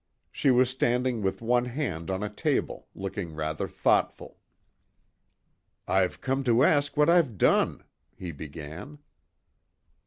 She was standing with one hand on a table, looking rather thoughtful. "I've come to ask what I've done," he began.